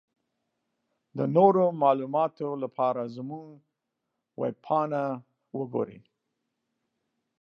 د نورو معلوماتو لپاره زمونږ ويبپاڼه وګورٸ.